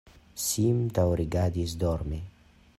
Sim daŭrigadis dormi.